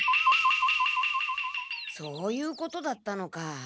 そういうことだったのか。